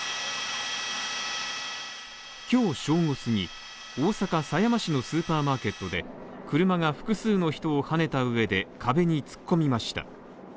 今日正午過ぎに大阪狭山市のスーパーマーケットで車が複数の人をはねたうえで壁に突っ込みました。